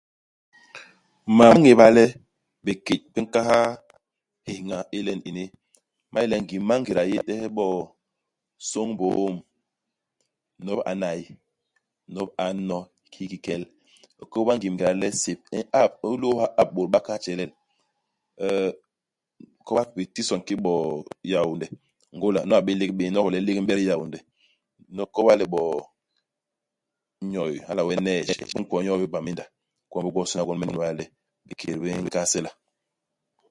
Mam ma ñéba le bikét bi nkahal héñha ilen ini ma yé le ngim i mangéda u yé u tehe bo sôñ biôôm, nop a n'nay ; nop a n'no hiki kel. U koba ngim ngéda le sep i ñap i nlôôga ap bôt ba kahal tjelel. Euh u koba bitison kiki bo Yaônde, Ngôla, nu a bé lék bé, u n'nok le lék i m'bet i Yaônde. Nyono u koba le bo nyoy hala wee neige i nkwo yoo i Bamenda. Igwom bi gwobisôna gwon bi ñéba le bikék bi nn bi nkahal sela.